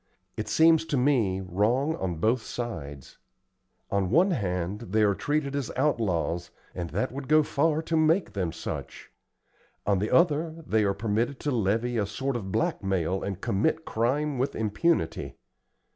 "It seems to me wrong on both sides. On one hand, they are treated as outlaws, and that would go far to make them such; on the other, they are permitted to levy a sort of blackmail and commit crime with impunity.